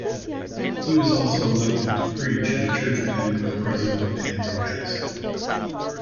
He was also elected to preach at a church attended by President Andrew Jackson.